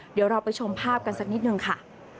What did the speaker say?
เดี๋ยวเราไปชมภาพกันสักนิดนึงค่ะ